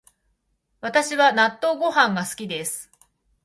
私は納豆ご飯が好きです